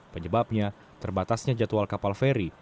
penyebabnya terbatasnya jadwal kapal feri